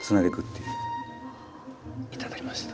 いただきました。